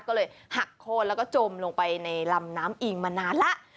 ก็เลยหักโค้นแล้วก็จมลงไปในลำน้ำอิงมานานแล้ว